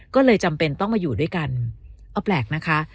ก็เลยจำเป็นต้องมาอยู่ด้วยกันเอาแปลกนะคะ